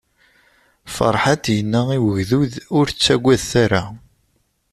Ferḥat yenna i ugdud: Ur ttagadet ara!